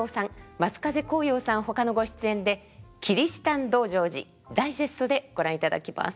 松風光陽さんほかのご出演で「切支丹道成寺」ダイジェストでご覧いただきます。